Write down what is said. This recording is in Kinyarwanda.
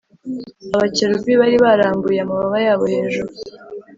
abakerubi bari barambuye amababa yabo hejuru